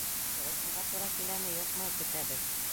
Был ысынға тура киләме, юҡмы, көтәбеҙ.